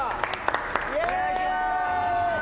お願いします。